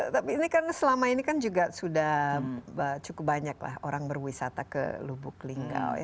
tapi ini karena selama ini kan juga sudah cukup banyak lah orang berwisata ke lubuk linggau ya